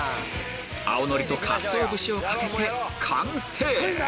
青のりとかつお節をかけて完成！